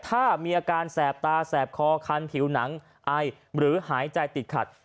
ถ้ามีอาการแสบตาแสบคอคันผิวหนังไอหรือหายใจติดขัด